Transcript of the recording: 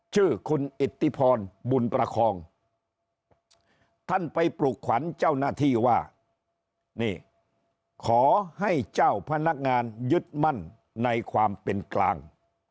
ชื่อคุณอิทธิพรบุญประคองท่านไปปลุกขวัญเจ้าหน้าที่ว่านี่ขอให้เจ้าพนักงานยึดมั่นในความเป็นกลาง